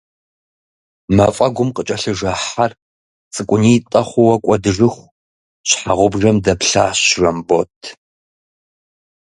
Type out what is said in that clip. Мафӏэгум къыкӏэлъыжэ хьэр, цӏыкӏунитӏэ хъууэ кӏуэдыжыху, щхьэгъубжэм дэплъащ Жэмбот.